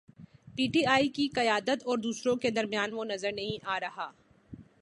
پی ٹی آئی کی قیادت اور دوسروں کے درمیان وہ نظر نہیں آ رہا۔